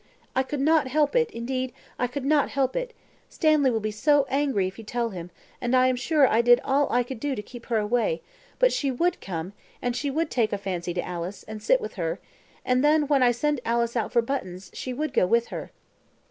"I could not help it; indeed, I could not help it. Stanley will be so angry if you tell him, and I am sure I did all I could to keep her away, but she would come, and she would take a fancy to Alice, and sit with her, and then when I sent Alice out for the buttons, she would go with her."